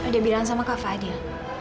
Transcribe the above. dia bilang sama kak fadil